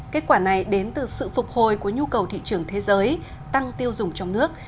kết quả này đến từ sự phục hồi của nhu cầu thị trường thế giới tăng tiêu dùng trong nước